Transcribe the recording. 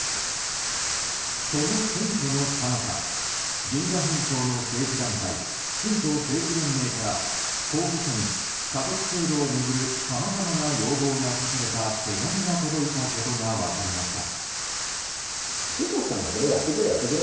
その選挙のさなか神社本庁の政治団体神道政治連盟から候補者に家族制度を巡るさまざまな要望が書かれた手紙が届いたことが分かりました。